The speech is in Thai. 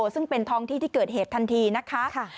ซึ่งเป็นท้องที่ที่เกิดเหตุทันทีนะคะ